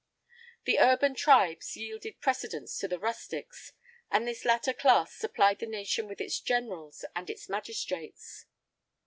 The urban tribes yielded precedence to the rustics, and this latter class supplied the nation with its generals and its magistrates.